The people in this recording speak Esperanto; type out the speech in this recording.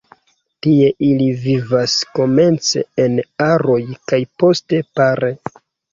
Tie ili vivas komence en aroj kaj poste pare.